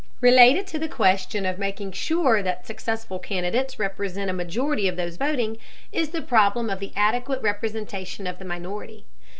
Related to the question of making sure that successful candidates represent a majority of those voting is the problem of the adequate representation of the minority.